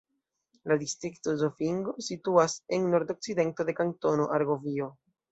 La distrikto Zofingo situas en nordokcidento de Kantono Argovio.